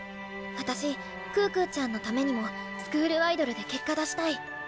私可可ちゃんのためにもスクールアイドルで結果出したい。